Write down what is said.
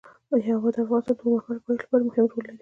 هوا د افغانستان د اوږدمهاله پایښت لپاره مهم رول لري.